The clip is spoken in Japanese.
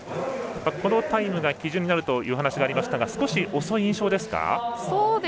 このタイムが基準になるというお話がありましたが少し遅い印象ですか。